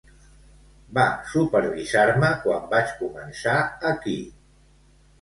Va supervisar-me quan vaig començar aquí.